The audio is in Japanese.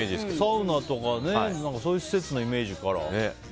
サウナとかそういう施設のイメージから。